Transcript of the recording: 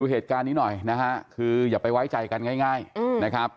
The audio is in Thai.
เหตุการณ์นี้หน่อยนะฮะคืออย่าไปไว้ใจกันง่ายนะครับ